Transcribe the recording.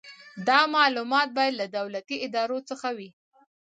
دا معلومات باید له دولتي ادارو څخه وي.